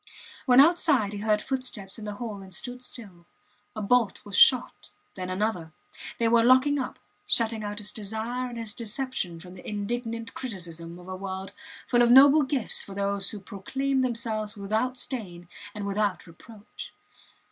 When outside he heard footsteps in the hall and stood still. A bolt was shot then another. They were locking up shutting out his desire and his deception from the indignant criticism of a world full of noble gifts for those who proclaim themselves without stain and without reproach.